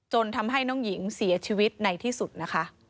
ทำให้น้องหญิงเสียชีวิตในที่สุดนะคะ